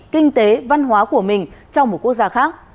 kinh tế văn hóa của mình trong một quốc gia khác